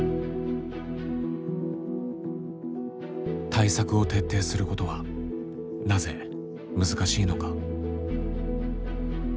対策を徹底することはなぜ難しいのか。